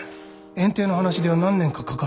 園丁の話では何年かかかると。